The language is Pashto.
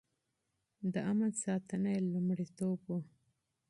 د امن ساتنه يې لومړيتوب و.